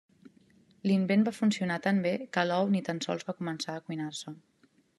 L'invent va funcionar tan ben que l'ou ni tan sols va començar a cuinar-se.